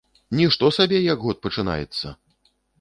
Нішто сабе, як год пачынаецца!